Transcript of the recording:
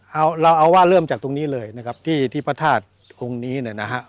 เอาเราเอาว่าเริ่มจากตรงนี้เลยนะครับที่ที่พระธาตุองค์นี้เนี่ยนะฮะ